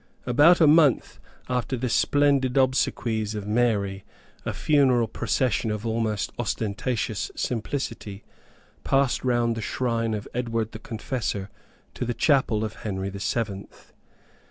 About a month after the splendid obsequies of Mary, a funeral procession of almost ostentatious simplicity passed round the shrine of Edward the Confessor to the Chapel of Henry the Seventh.